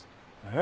え？